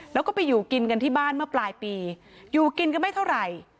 แล้วก็ไปอยู่กินกันที่บ้านเมื่อปลายปีอยู่กินกันไม่เท่าไหร่